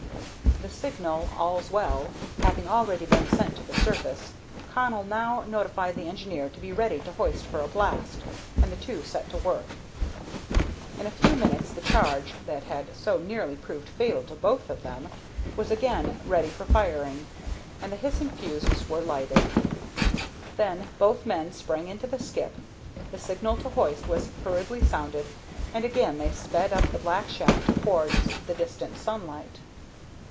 The signal, "All's well," having already been sent to the surface, Connell now notified the engineer to be ready to hoist for a blast, and the two set to work. In a few minutes the charge, that had so nearly proved fatal to both of them, was again ready for firing, and the hissing fuses were lighted. Then both men sprang into the skip, the signal to hoist was hurriedly sounded, and away they sped up the black shaft towards the distant sunlight.